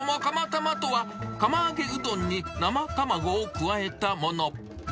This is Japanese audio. そもそも釜玉とは、釜揚げうどんに生卵を加えたもの。